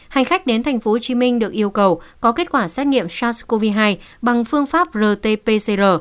hành khách đến tp hcm được yêu cầu có kết quả xét nghiệm sars cov hai bằng phương pháp rt pcr